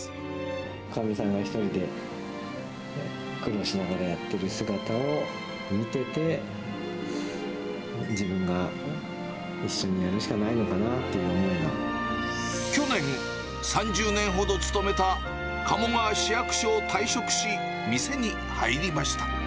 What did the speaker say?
かみさんが１人で苦労しながらやってる姿を見てて、自分が一緒にやるしかないのかなっていう去年、３０年ほど勤めた鴨川市役所を退職し、店に入りました。